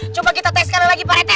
coba kita tes kami lagi para tek